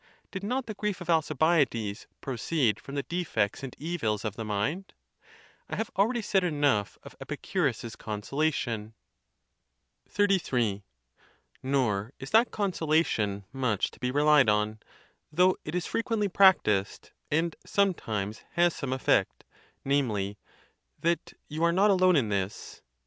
did not the grief of Alcibiades proceed from the defects and evils of the mind? I have already said enough of Epicu rus's consolation. XX XIII. Nor is that consolation much to be relied on, though it is frequently practised, and sometimes has some effect, namely, "That you are not alone in this."